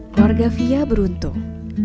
keluarga fia beruntung